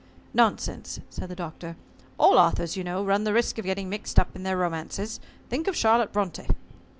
"Nonsense," said the Doctor. "All authors, you know, run the risk of getting mixed up in their romances think of Charlotte Brontë."